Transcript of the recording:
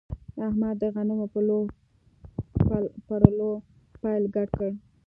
احمد د غنو پر لو پیل ګډ کړ.